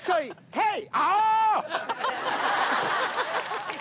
ヘイ！